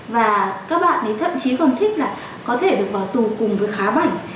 và các bạn ý thậm chí còn thích là có thể được vào tù cùng với khá bảnh